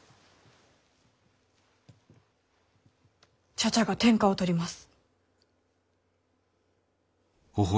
茶々が天下を取ります。